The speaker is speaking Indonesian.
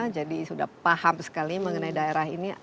jadi sudah paham sekali mengenai daerah ini